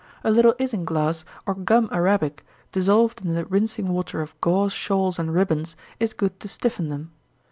A little isinglass or gum arabic, dissolved in the rinsing water of gauze shawls and ribbons, is good to stiffen them.